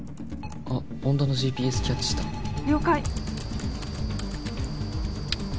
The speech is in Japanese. あっ恩田のＧＰＳキャッチした了解